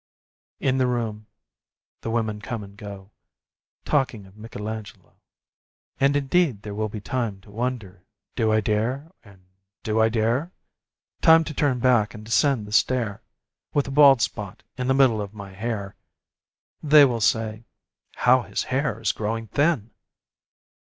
In the room the women come and go Talking of Michelangelo. And indeed there will be time To wonder, "Do I dare?" and, "Do I dare?" Time to turn back and descend the stair, With a bald spot in the middle of my hair (They will say: "How his hair is growing thin!")